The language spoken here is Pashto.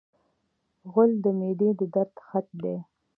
غول د معدې د درد خط دی.